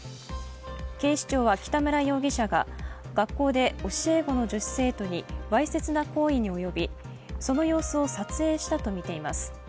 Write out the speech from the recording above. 警視庁は北村容疑者が学校で教え子の女子生徒にわいせつな行為に及び、その様子を撮影したとみています。